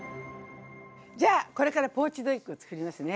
じゃあこれからポーチドエッグをつくりますね。